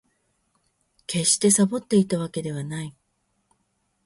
決してサボっていたわけではない